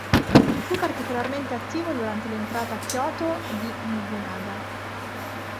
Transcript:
Fu particolarmente attivo durante l'entrata a Kyoto di Nobunaga.